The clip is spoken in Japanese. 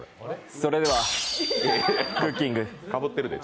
それでは、クッキング何、この音。